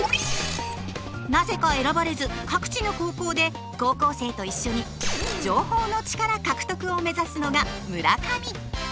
なぜか選ばれず各地の高校で高校生と一緒に情報のチカラ獲得を目指すのが村上。